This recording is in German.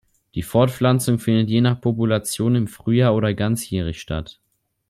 Die Fortpflanzung findet, je nach Population, im Frühjahr oder ganzjährig statt.